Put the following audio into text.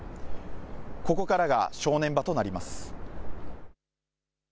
ここからが正念場となります。